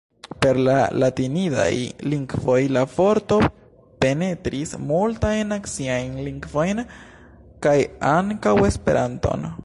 Per la latinidaj lingvoj la vorto penetris multajn naciajn lingvojn kaj ankaŭ Esperanton.